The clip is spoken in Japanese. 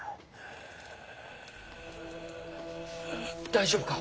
大丈夫か？